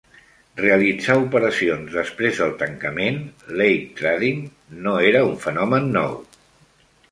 Realitzar operacions després del tancament (late trading) no era un fenomen nou.